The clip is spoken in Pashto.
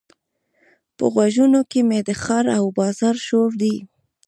په غوږونو کې مې د ښار او بازار شور دی.